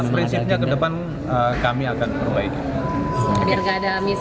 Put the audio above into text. prinsipnya ke depan kami akan perbaiki